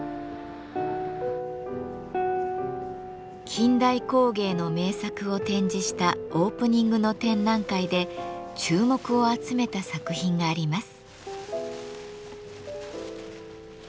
近代工芸の名作を展示したオープニングの展覧会で注目を集めた作品があります。